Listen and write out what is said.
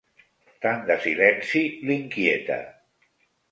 Tant de silenci l'inquieta.